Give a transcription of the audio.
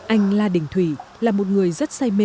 anh la đình thủy là một người rất say mê